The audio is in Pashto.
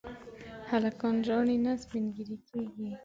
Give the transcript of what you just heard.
هلکان ژاړي نه، سپين ږيري کيږي.